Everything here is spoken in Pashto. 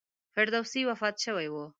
فردوسي وفات شوی و.